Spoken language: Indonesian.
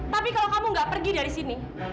tapi kalau kamu nggak pergi dari sini